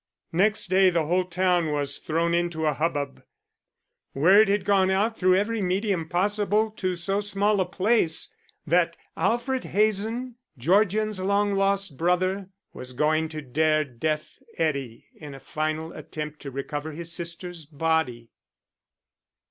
Next day the whole town was thrown into a hubbub. Word had gone out through every medium possible to so small a place, that Alfred Hazen, Georgian's long lost brother, was going to dare Death Eddy in a final attempt to recover his sister's body.